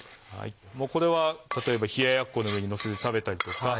これは例えば冷ややっこの上にのせて食べたりとか。